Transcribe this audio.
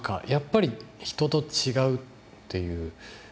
やっぱり人と違うっていう。